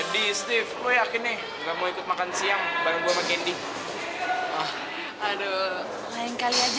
di steve lu yakin nih nggak mau ikut makan siang bareng gua makin di aduh lain kali aja